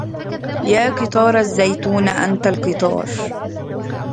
يا قطار الزيتون أنت قطار